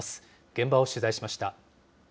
現場を取材しました。